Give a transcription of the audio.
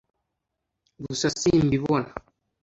gusa simbibona